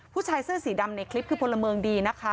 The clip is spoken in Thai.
ผู้ชายเสื้อสีดำในคลิปคือพลเมืองดีนะคะ